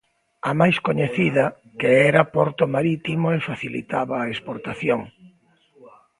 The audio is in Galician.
A máis coñecida, que era porto marítimo e facilitaba a exportación.